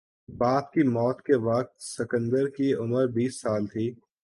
باپ کی موت کے وقت سکندر کی عمر بیس سال تھی